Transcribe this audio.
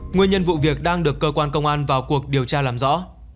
nguyên nhân vụ việc đang được cơ quan công an vào cuộc điều tra làm rõ